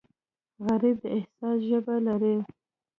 غریب د احساس ژبه لري